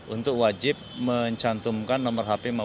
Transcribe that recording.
untuk wajib mencantumkan nomor hp maupun alamat tinggal